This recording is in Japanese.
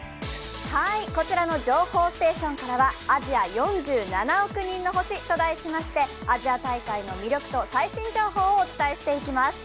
こちらの情報ステーションからは「アジア４７億人の星」と題しましてアジア大会の魅力と最新情報をお伝えしていきます。